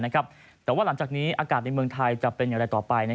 แต่ว่าหลังจากนี้อากาศในเมืองไทยจะเป็นอย่างไรต่อไป